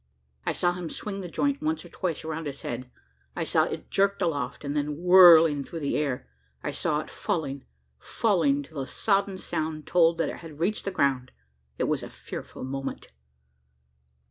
I saw him swing the joint once or twice round his head; I saw it jerked aloft, and then whirling through the air; I saw it falling falling, till the sodden sound told that it had reached the ground. It was a fearful moment!